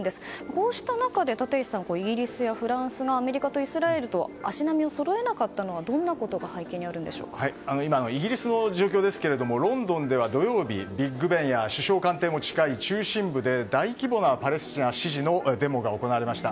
こうした中でイギリスやフランスがアメリカやイスラエルと足並みをそろえなかったのはどんなことが今、イギリスの状況ですがロンドンでは土曜日ビッグべンや首相官邸も近い中心部で大規模なパレスチナ支持のデモが行われました。